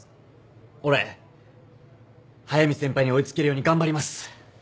俺速見先輩に追い付けるように頑張ります。